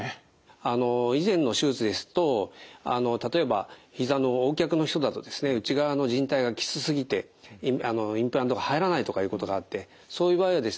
あの以前の手術ですと例えばひざのＯ脚の人だとですね内側のじん帯がきつすぎてインプラントが入らないとかいうことがあってそういう場合はですね